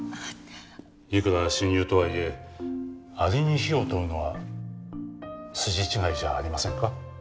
いくら親友とはいえアリに非を問うのは筋違いじゃありませんか？